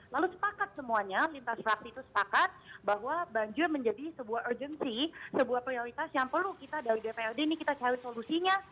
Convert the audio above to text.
lalu sepakat semuanya lintas fraksi itu sepakat bahwa banjir menjadi sebuah urgency sebuah prioritas yang perlu kita dari dprd ini kita cari solusinya